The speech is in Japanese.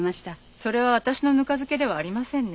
それは私のぬか漬けではありませんね。